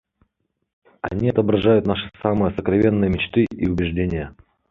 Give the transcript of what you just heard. Они отражают наши самые сокровенные мечты и убеждения.